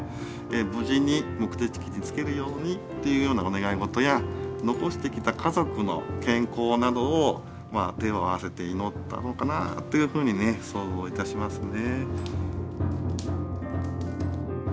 無事に目的地に着けるようにっていうようなお願い事や残してきた家族の健康などを手を合わせて祈ったのかなというふうにね想像いたしますね。